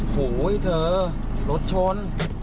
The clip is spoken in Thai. โหยเธอรถชน